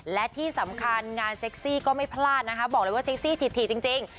และที่สำคัญงานเซ็กซี่ก็ไม่พลาดนะคะบอกเลยว่าเซ็กซี่ถี่จริง